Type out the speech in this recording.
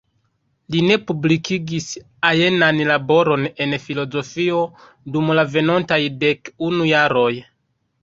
Li ne publikigis ajnan laboron en filozofio dum la venontaj dek unu jaroj.